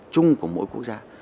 chung của mỗi quốc gia